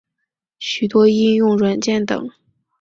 许多应用软件等。